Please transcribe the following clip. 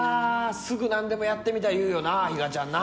すぐ何でもやってみたい言うよな比嘉ちゃんな。